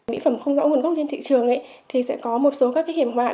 mỹ phẩm không rõ nguồn gốc trên thị trường thì sẽ có một số các hiểm họa